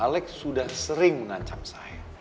alex sudah sering mengancam saya